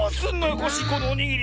コッシーこのおにぎり？